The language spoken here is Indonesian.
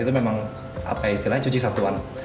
itu memang apa istilahnya cuci satuan